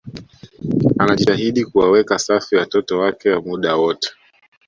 anajitahidi kuwaweka safi watoto wake muda wote